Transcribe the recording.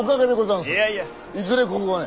いずれここはね